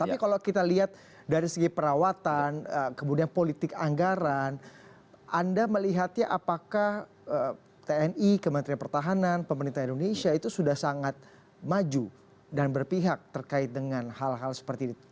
tapi kalau kita lihat dari segi perawatan kemudian politik anggaran anda melihatnya apakah tni kementerian pertahanan pemerintah indonesia itu sudah sangat maju dan berpihak terkait dengan hal hal seperti ini